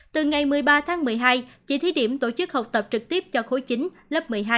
từ ngày một mươi ba tháng một mươi hai chị thí điểm tổ chức học tập trực tiếp cho khối chín lớp một mươi hai